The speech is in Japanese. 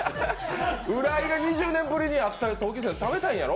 浦井が２０年ぶりに会った同級生、食べたいんやろ？